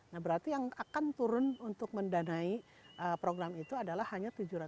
nah berarti yang akan turun untuk mendanai program itu adalah hanya tujuh ratus